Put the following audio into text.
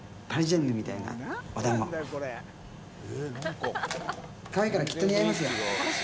かわいいからきっと似合いますよ。